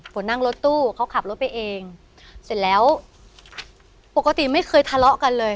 ฝนนั่งรถตู้เขาขับรถไปเองเสร็จแล้วปกติไม่เคยทะเลาะกันเลย